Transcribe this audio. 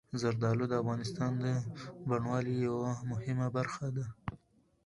زردالو د افغانستان د بڼوالۍ یوه مهمه برخه ده.